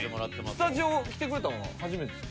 スタジオ来てくれたのは初めてですか？